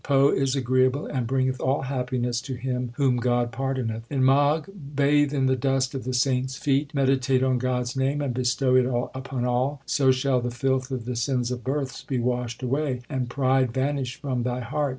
Poh is agreeable and bringeth all happiness to him whom God pardoneth. In Magh bathe in the dust of the saints feet ; Meditate on God s name, and bestow it upon all ; So shall the filth of the sins of births be washed away, and pride vanish from thy heart.